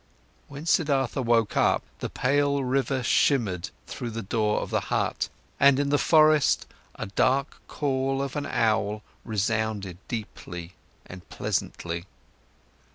—When Siddhartha woke up, the pale river shimmered through the door of the hut, and in the forest, a dark call of an owl resounded deeply and pleasantly.